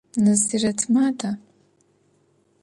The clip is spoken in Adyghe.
Назирэт мада?